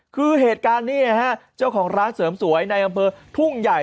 คือเหตุการณ์นี้นะฮะเจ้าของร้านเสริมสวยในอำเภอทุ่งใหญ่